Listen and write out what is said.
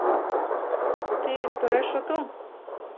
Тый вет тореш отыл?